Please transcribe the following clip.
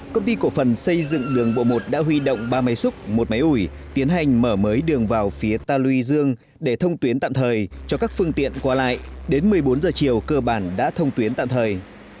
công ty cổ phần xây dựng đường bộ một đã huy động ba máy xúc một máy ủi tiến hành mở mới đường vào phía ta luy dương để thông tuyến tạm thời cho các phương tiện qua lại đến một mươi bốn giờ chiều cơ bản đã thông tuyến tạm thời